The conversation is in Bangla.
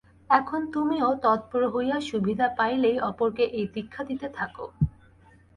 এখন তুমিও তৎপর হইয়া সুবিধা পাইলেই অপরকে এই দীক্ষা দিতে থাক।